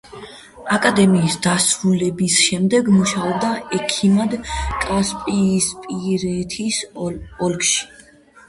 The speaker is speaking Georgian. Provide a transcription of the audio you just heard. აკადემიის დასრულების შემდეგ მუშაობდა ექიმად კასპიისპირეთის ოლქში.